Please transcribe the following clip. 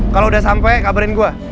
kalau udah sampai kabarin gue